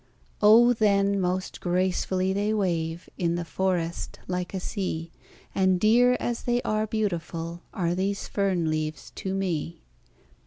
"Oh, then most gracefully they wave In the forest, like a sea, And dear as they are beautiful Are these fern leaves to me."